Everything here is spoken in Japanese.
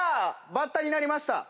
バッタになりました。